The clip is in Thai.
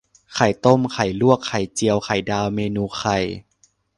ไข่ต้ม ไข่ลวก ไข่เจียว ไข่ดาว เมนูไข่